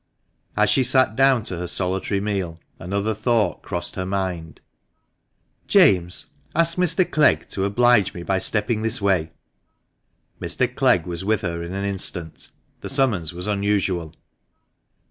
As she sat down to her solitary meal, another thought crossed her mind. "James, ask Mr. Clegg to oblige me by stepping this way." Mr. Clegg was with her in an instant : the summons was unusual.